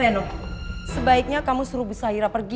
reno sebaiknya kamu suruh busairah pergi